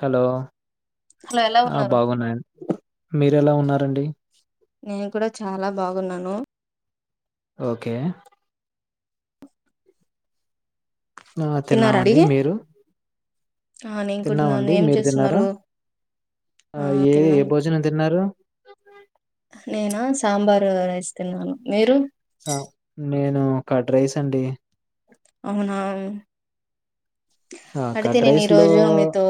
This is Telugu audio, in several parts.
హలో ఎలా ఆ ఉన్నారు బాగున్నాను మీరెలా ఉన్నారండి నేను కూడా చాలా బాగున్నాను ఓకే ఆ తిన్నారాండి తిన్నామండి మీరు ఆ నేనుకుడన్నాను తిన్నామండి ఏం మీరు తిన్నారా? చేస్తున్నారు ఆ ఏ ఏ తిన్నాను భోజనం తిన్నారు? నేనా సాంబార్ వేసుకున్నాను మీరు నేను కర్డ్ రైస్ అండి అవునా ఆ అడితే కర్డ్ నేను ఈ రైస్ లో రోజు మీతో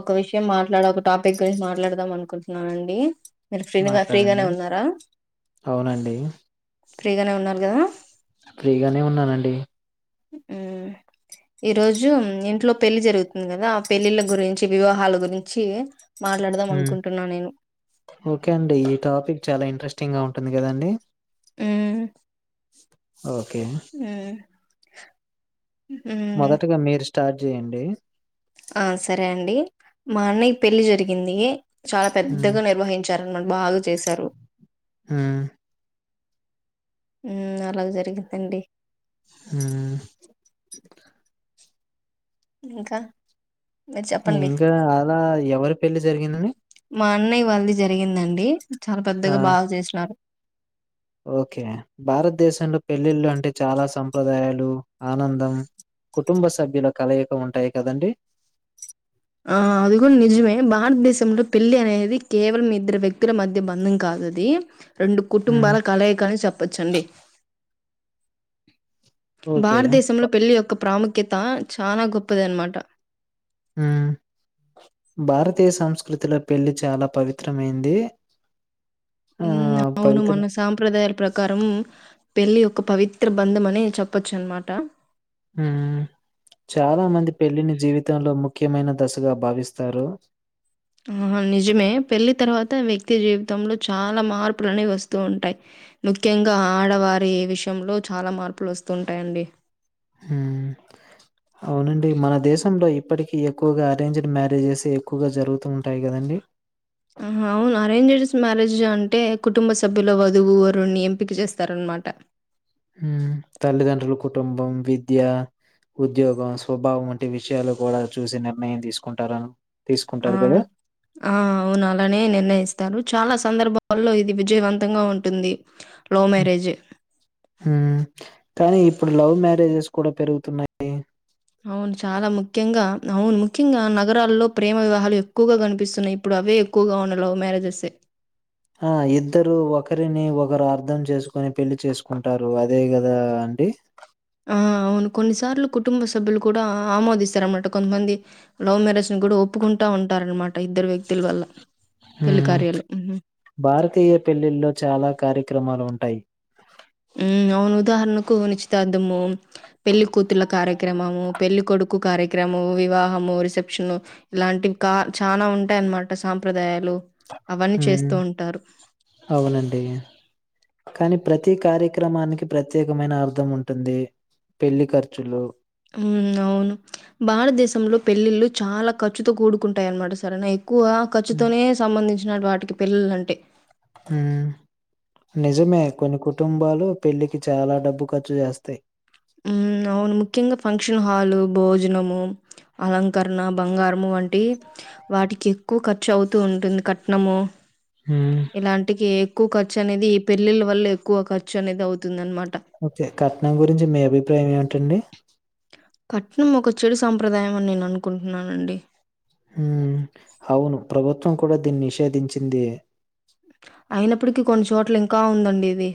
ఒక విషయం మాట్లాడకు టాపిక్ గురించి మాట్లాడదాం అనుకుంటున్నానండి మీరు ఫ్రీగా ఫ్రీగానే మాట్లాడండి ఉన్నారా అవునండి ఫ్రీగానే ఉన్నారు కదా ఫ్రీగానే ఉన్నానండి మ్మ్ ఈరోజు ఇంట్లో పెళ్లి జరుగుతుంది కదా ఆ పెళ్లిళ్ళ గురించి, వివాహాల గురించి మాట్లాడదాం మ్ అనుకుంటున్నా నేను ఓకే అండి ఈ టాపిక్ చాలా ఇంట్రెస్ట్ ఇంగా ఉంటుంది కదండి మ్ ఓకే మ్ మొదటగా మీరు స్టార్ట్ జెయ్యండి ఆ సరే అండి మా అన్నయ్య పెళ్ళి జరిగింది చాలా హ్మ్ పెద్దగా నిర్వహించారు మ్ మాకు బాగా చేశారు హ్మ్ ఉమ్ అలాగ జరిగిద్దండి హ్మ్ ఇంకా మీరు చెప్పండి ఇంగా అలా ఎవరు పెళ్లి జరిగిందండి మా అన్నయ్య వాళ్ది జరిగిందండి చాలా ఆ పెద్దగా బాగా చేసినారు ఓకే భారతదేశంలో పెళ్ళిళ్ళు అంటే చాలా సాంప్రదాయాలు ఆనందం కుటుంబ సభ్యులు కలయిక ఉంటాయి కదండి ఆ అది కూడా నిజమే భారతదేశంలో పెళ్లి అనేది కేవలం ఇద్దరు వ్యక్తుల మధ్య బంధం కాదది రెండు హ్మ్. కుటుంబాల కలయిక అని చెప్పచ్చండి ఓకే. బ భారతదేశంలో పెళ్లి యొక్క ప్రాముఖ్య కిత చానా గొప్పదనమాట మ్ భారతీయ సంస్కృతిలో పెళ్లి చాలా పవిత్రమైంది మ్ ఆహ్, అవును పవిత్ర మన సాంప్రదాయాల ప్రకారం పెళ్ళి ఒక పవిత్ర బంధం అనే చెప్పొచ్చు అనమాట మ్ చాలా మంది పెళ్లిని జీవితంలో ముఖ్య ముఖ్యమైన దశగా భావిస్తారు ఆ నిజమే పెళ్లి తర్వాత వ్యక్తి జీవితంలో చాలా మార్పులనే వస్తూ ఉంటాయి ముఖ్యంగా ఆడవారి విషయంలో చాలా మార్పులు వస్తూ ఉంటాయండి మ్ అవునండి మన దేశంలో ఇప్పటికీ ఎక్కువగా అరేంజ్డ్ మ్యారేజెస్ ఎక్కువగా జరుగుతూ ఉంటాయి కదండి ఆహా! అవును. అరేంజ్డ్స్ మ్యారేజ్ అంటే కుటుంబ సభ్యుల వధువు వరుడ్ని ఎంపిక చేస్తారనమాట హ్మ్ తల్లిదండ్రులు కు కుటుంబం విద్యా ఉద్యోగం స్వభావం అంట ఇంటి విషయాలు కూడా చూసి నిర్ణయం తీసుకుంటారన్ ఆన్ ఆ అవును అలానే నిర్ణయిస్తారు చాలా సందర్భాల్లో ఇది విజయవంతంగా ఉంటుంది లవ్ మ్యారేజ్. హ కానీ ఇప్పుడు లవ్ మ్యారేజెస్ కూడా పెరుగుతున్నాయి అవును చాలా ముఖ్యంగా అవును ముఖ్యంగా నగరాల్లో ప్రేమ వివాహాలు ఎక్కువగా కనిపిస్తున్నాయి ఇప్పుడు అవే ఎక్కువగా వున్న లవ్ మ్యారేజెసే ఆ ఇద్దరు ఒకరిని ఒ ఒకరు అర్ధం చేసుకుని పెళ్లి చేసుకుంటారు అదే గదా అండి ఆ అవును కొన్నిసార్లు కుటుంబ సభ్యులు కూడా ఆమోదిస్తారనమాట కొంతమంది లవ్ మ్యారేజ్ ని కూడా ఒప్పుకుంటా ఉంటారనమాట ఇద్దరు వ్యక్తుల వల్ల హు పెళ్లి కార్యాలు. హ్మ్. భారతీయ పెళ్ళిల్లో చాలా కార్య క్రమాలు ఉంటాయి ఉ అవును ఉదాహరణకు నిచితార్థము పెళ్లికూతుల కార్యక్రమము పెళ్లి కొడుకు కార్యక్రమము వివాహము రిసెప్షన్ ఇలాంటివి కా చనా ఉంటాయన్నమాట సాంప్రదాయాలు అవన్నీ హు చేస్తూ ఉంటారు. అవునండి కానీ ప్రతి కార్య క్రమానికి ప్రత్యేకమైన అర్థం ఉంటుంది పెళ్లి ఖర్చులు ఉమ్ అవును భారతదేశంలో పెళ్ళిళ్లు చాలా ఖర్చుతో కూడుకుంటాయాన్మాట సారెనా ఎక్కువగా హ్మ్. ఖర్చుతోనే సంబంధించి వినడు వాటికి పెళ్లిలు అంటే హు నిజమే కొన్ని కు కుటుంబాలు పెళ్లికి చాలా డబ్బు ఖర్చు చేస్తాయి ఉమ్ అవును ముఖ్యంగా ఫంక్షన్ హాలు భోజనము అలంకరణ బంగారము వం టిప్ వాటికి ఎక్కువ ఖర్చు అవుతూ ఉంటుంది కట్నము హ్మ్. ఇలాంటికి ఎక్కువ ఖర్చు అనేది ఈ పెళ్లిలు వల్లే ఎక్కువ ఖర్చు అనేది అవుతు అన్మా ఓకే కట్నం గురించి మీ అభి ప్రాయం ఏమిటండి కట్నం ఒక చెడు సాంప్రదాయం అని నేను అనుకుంటున్నానండి హ అవును ప్రభు త్వం కూడా దీన్ని నిషేధించింది అయినప్పటికీ కొన్ని చోట్ల ఇంకా ఉందండి ఇది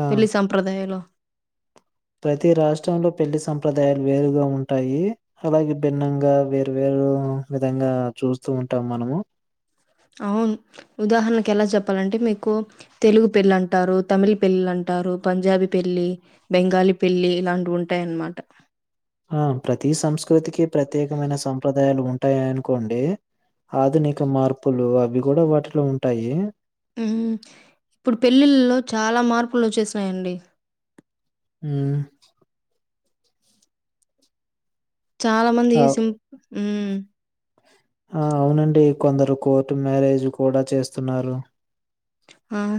ఆ! పెళ్లి సంప్రదాయాలో ప్రతి రాష్ట్రంలో పెళ్లి సంప్రదాయాలు వేరుగా ఉంటాయి అలాగే భిన్నంగా వేరు వేరు విధంగా చూస్తూ ఉంటాం మనము అవును ఉదాహరణకు ఎలా చెప్పాలంటే మీకు తెలుగు పెళ్ళి అంటారు తమిళ పెళ్ళి అంటారు పంజాబీ పెళ్లి బెంగాలీ పెళ్ళి ఇలాంటివి ఉంటాయిన్మాట ఆ ప్రతి సంస్కృతికి ప్రత్యేకమైన సంప్రదా ఆదాయాలు ఉంటాయి అనుకోండి ఆధునిక మార్పులు అవి గూడా వాటిలో ఉంటాయి ఇప్పుడు పెళ్ళిళ్ళ లో చాలా మార్పు అప్పులు వచ్చేసినయండి మ్ చాలా మంది అవ్ సింపుల్ మ్ ఆ అవునండి కొందరు కోర్టు మ్యారేజ్ కూడా చేస్తున్నారు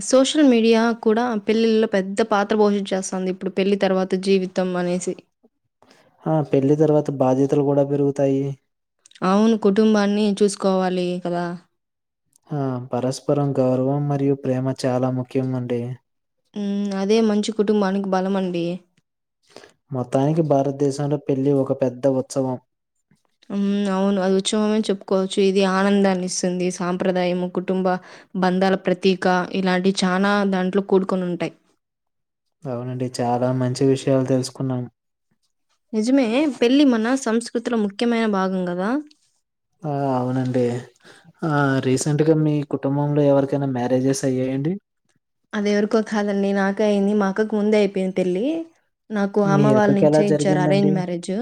సోషల్ మీడియా కూడా పెళ్ళిలో పెద్ద పాత్ర పోషించ చేస్తుంది ఇప్పుడు పెళ్లిి తర్వాత జీవితం అనేసి ఆ పెళ్ళి తర్వాత బాధ్యత లు గూడా పెరుగుతాయి అవున్ కుటుంబాన్ని చూసుకోవాలి కదా ఆ పరస్పరం గౌరవం మరియు ప్రేమ చాలా ముఖ్యం అండి మ్ అదే మంచి కుటుంబానికి బలం అండి మొత్తానికి భారతదేశంలో పెళ్ళి ఒక పెద్ద ఉత్సవం అవును అది ఉత్సవమే చెప్పుకోవచ్చు ఇది ఆనందాన్ని ఇస్తుంది సాంప్రదాయం కుటుంబ బంధాల ప్రతీక ఇలాంటి చాలా దాంట్లో కూడుకొని ఉంటాయి అవునండి చాలా మంచి విషయాలు తెలుసుకున్నాం నిజమే పెళ్ళి మనసు సంస్కృతిలో ముఖ్యమైన భాగం గాదా అవునండి రీసెంట్గా మీ కుటుంబంలో ఎవరికైనా మ్యారేజెస్ అయ్యాయండి అది ఎవరకో కాదండి నాక అయింది మా అక్కకు ముందే అయిపోయింది పెళ్లి నాకు మీ అమ్మ వాళ్ళ అక్కకి ఎలా నుంచే ఇచ్చారు అరేంజ్ జరిగిందండి? మ్యారేజ్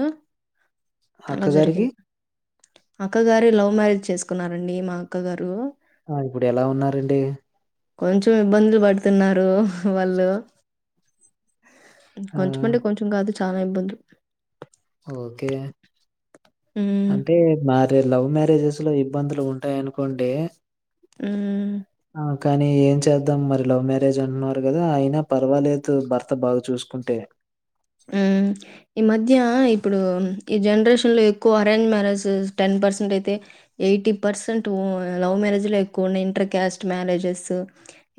అలా అక్కగారికి? జరిగింది అక్క గారి లవ్ మ్యారేజ్ చేసుకు కున్నారండి మా అక్క గారు ఆ ఇప్పుడు ఎలా ఉన్నారండి కొంచెం ఇబ్బందులు బడుతున్నారు రు వాళ్ళు ఆ కొంచమంటే కొంచెం కాదు చాన ఇబ్బంది ఓకే హ్మ్. అంటే మారే లవ్ మ్యారేజెస్ లో ఇబ్బందులు ఉంటాయనుకోంటే ఊ కానీ ఏం చేద్దాం మరి లవ్ మ్యారేజ్ అన్నారు కదా అయినా పర్వాలేదు భర్త బాగా చూసుకుంటే ఈ మధ్య ఇప్పుడు ఈ జనరేషన్ లో ఎక్కువ అరేంజ్ మ్యారేజెస్ టెన్ పర్సెంట్ అయితే ఎయిటీ పర్సెంట్ లవ్ మ్యారేజ్ లో ఎక్కువ ఉన్నాయి ఇంటర్ క్యాస్ట్ మ్యారేజెస్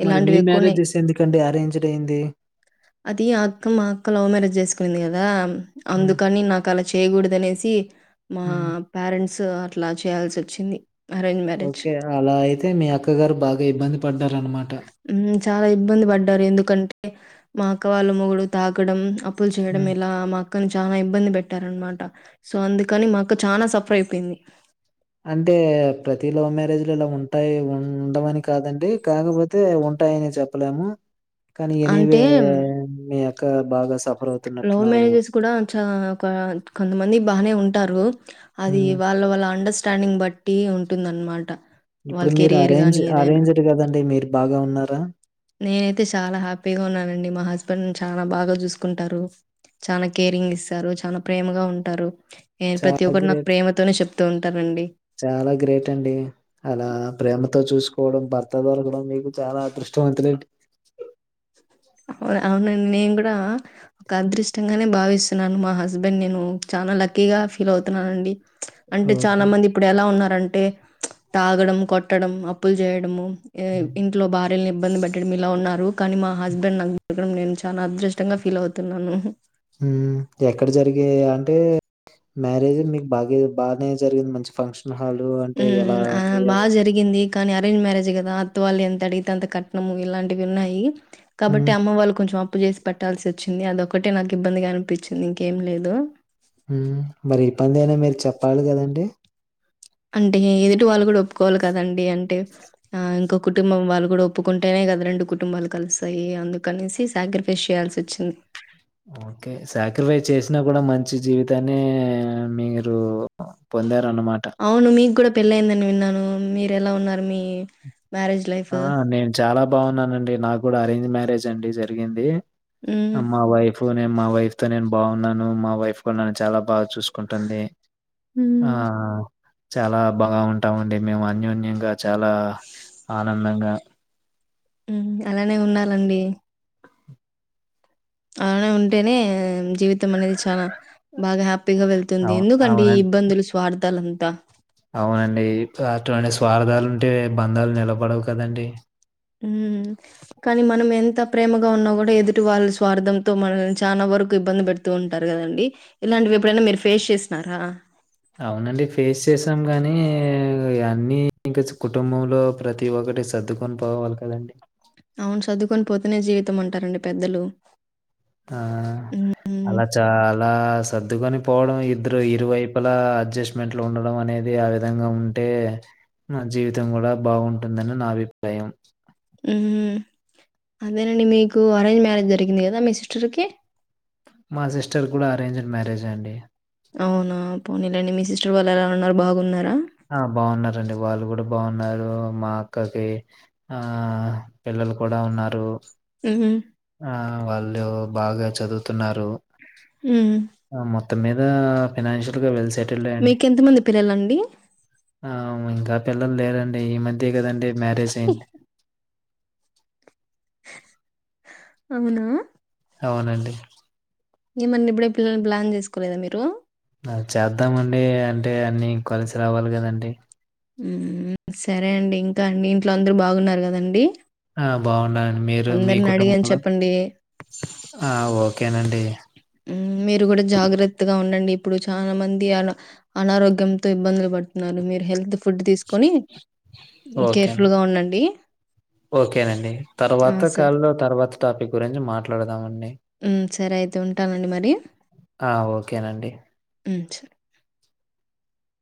మరి మీ ఇలాంటివి ఎక్కువ ఉన్నాయి. మ్యారేజ్ చేస్ ఎందుకండి అరేంజ్డ్ అయ్యంది అది అక్క మా అక్క లవ్ మ్యారేజ్ చేసుకునేంది కదా హ్మ్. అందుకని నాకు అలా చ్ చేయకూడదు అనేసి మా హ్మ్. పేరెంట్స్ అట్లా చేయాల్సి వచ్చింది ఓకే అలా అయితే మీ అక్కగారు బాగా ఇబ్బంది పడ్డారు అనమాట ఉ చాలా ఇబ్బంది పడ్డారు ఎందుకంటే మా అక్క వాళ్ళ మొగుడు తాగడం అప్పులు చేయడం హ్మ్. ఇలా మా అక్కను చాలా ఇబ్బంది పెట్ట పెట్టారనమాట సో అందుకని మాకు చానా సఫర్ అయిపోయింది అంటే ప్రతి లవ్ మ్యారేజ్ లో ఇలా ఉంట ఉంటాయీ ఉండమని కాదండి కాకపోతే ఉంటాయని చెప్పలేము కానీ అంటే ఎనీవే మీ అక్క బాగా సఫర్ లవ్ అవుతున్నట్టున్నారు. మ్యారేజెస్ కూడా చ కొంతమంది బానే ఉంట ఉంటారు అది హ్మ్. వాళ్ళ వాల్ల అండర్స్ స్టాండింగ్ బట్టి ఉంటుందనమాట వాళ్ళ ఇప్పుడు మీరు కెరియర్ అరేంజ్ గానీ ఏదైనా. అరేంజడ్ కదండి మీరు బాగా ఉన్నారా నేనైతే చాలా హ్యాపీగా ఉన్నానండి మా హస్బెండ్ చానా బాగా చూసుకుంటారు చానా కేరింగ్ ఇస్తారు చానా ప్రేమగా ఉంటారు నేను ప్రతి చాలా ఒక్కటి నాకు గ్రేట్ ప్రేమతోనే చెప్తూ ఉంటారండి. చాలా గ్రేట్ అండి అలా ప్రేమతో చూసుకు కోవడం భర్త దొరకడం మీకు చాలా అదృష్టవంతులాండీ అవున అవునండి నేను కూడా ఒక అదృష్టంగానే భావిస్తున్నాను మా హస్బెండ్ నేను చానా లక్కీగా ఫీల్ అవుతున్నానండి అంటే ఓకే. చానా మంది ఇప్పుడు ఎలా ఉన్నారుం అంటే తాగడం కొట్టడం అప్పులు చేయడము ఇంట్లో భార్యలను ఇబ్బంది పెట్టడం ఇలా ఉన్నారు కనిమా హస్బెండ్ నాకు దొరకడం నేను చానా అదృష్టంగా ఫీల్ అవుతున్నాను హ ఎక్కడ జరిగా అంటే అంటే మ్యారేజ్ మీకు బాగా బాగానే జరిగింది మంచి ఫంక్షన్ హాలు అంటే ఉ ఎలా ఆ అది బాగా ఎలా? జరిగింది కానీ అరేంజ్ మ్యారేజ్ కదా అత్త వాళ్ళు ఎంత అడిగితే అంత కట్నము ఇలాంటివి ఉన్నాయి కాబట్టి హ్మ్. అమ్మ వాళ్ళ కొంచెం అ అప్పు చేసి పట్టాల్సి వచ్చింది అదోక్కటే నాకు ఇబ్బందిగా అనిపించింది ఇంకేం లేదు ఉమ్ మరి ఇబ్బంది అయినా మీరు చెప్ ప్పాలి కదండి అంటే ఇది ట్లో వాళ్ళు కూడా ఒప్పుకోవాలి కదండి అంటే ఇంకో కుటుంబం వాళ్ళు కూడా ఒప్పుకుంటేనే కదా రెండు కుటుంబాలు కలుస్తాయి అందుకనేసి సాక్రిఫైస్ చేయాల్సి వచ్చింది ఓకే సాక్రిఫైస్ చేసినా కూడా మం చి జీవితాన్నే మీరు పొంద అవును మీకు కూడా పెళ్ళైదని విన్నాను మీరు ఎలా ఉన్నారు మీ మ్యారేజ్ ఆ లైఫు? నేను చాలా బాగున్నానండి నాకు కూడా అరేంజ్ మ్యారేజ్ అండి జరిగింది హ్మ్. అమ్మ వైఫ్ మేం మా వైఫ్ తో నేను బాగున్నాను మా వైఫ్ కూడా నన్ను చాలా బాగా చూసుకుంటుంది ఆ హ్మ్. చాలా బాగా ఉంటామండి మేము అన్యోన్యంగా చాలా ఆనందంగా ఉమ్ అలానే ఉండాలండి అలానే ఉంటేనే జీవితం అనేది చానా బాగా హ్యాపీగా వెళ్తుంది అవును. ఎందుకండి ఈ అవునండి. ఇబ్బందులు స్వార్థాలు త్త అవునండి అటువంటి స్వార్థాలు ఉంటే బంధాలు నిలబడవు కదండి ఉమ్ కానీ మనం ఎంత ప్రేమగా ఉన్నా కూడా ఎదుటి వాళ్ళ స్వార్థంతో మనల్ని చానా వరకు ఇబ్బంది పెడుతూ ఉంటారు కదండి ఇలాంటివి ఎప్పుడైనా మీరు ఫేస్ చేసినారా అవునండి ఫేస్ చేసాం గానీ అన్నీ ఇంక కుటుంబంలో ప్రతి ఒకటి సర్దుకొని పోవాలి కదండి అవును సర్దుకొని పోతేనే జీవితం అంటారండి పెద్దలు ఆ హ్మ్. అలా చాలా సర్దుకొని పోవడం ఇద్దరు ఇరువైపులా అడ్జస్ట్మెంట్ లో ఉండడం అనేది ఆ విధంగా ఉంటే నా జీవితం కూడా బాగుంటుందని నా అభిప్రాయం ఉహుమ్మ్ అదేనండి మీకు అరేంజ్ మ్యారేజ్ జరిగింది కదా మీ సిస్టర్కి మా సిస్టర్ కూడా అరేంజ్డ్ మ్యారేజ్ అండి అవునా పోనీలెండి మీ సిస్టర్ వాళ్ళలా ఉన్నారు బాగున్నా ఆ బాగున్నారండి వాళ్ళు కూడా బాగున్నారు మా అక్కకి ఆ పిల్లలు కూడా ఉన్నారు ఉమ్ ఆ వాళ్ళు బాగా చదువుత న్నారు హ్మ్. అ మొ త్తం మీద ఫైనాన్షియల్ గా వెల్ సెటిల్డే అండి. మీకు ఎంతమంది పిల్లలండి ఆ ఇంకా పిల్లలు లేరండి ఈ మధ్య నండి మ్యారేజ్ అయింది అవునా అవునండి ఏమండి ఇప్పుడే పిల్లల్ని ప్లాన్ చేసుకోలేదా మీరు చేద్దామండి అంటే అన్నీ కలిసి రావాలి కదండి సరే అండి ఇంకా అండి ఇంట్లో అందరు బాగున్నారు కదండి ఆ బాగున్నా అందరిని అడిగాని చెప్పండి ఆ! ఓకేనండి. మ్.. మీరు కూడా జాగ్రత్తగా ఉండండి చాలా మంది అ అనారోగ్యంతో ఇబ్బందులు పడుతున్నారు మీరు హెల్త్ ఫుడ్ తీసుకొని ఓకేను. కేర్ఫుల్ గా ఉండండి ఓకేనండి ఆ! తర్వాత స కాల్ లో తర్వాత టాపిక్ గురించి మాట్లాడదామండి సరే అయితే ఉంటానండి మరి. ఆ! ఓకేనండి. మ్ సరె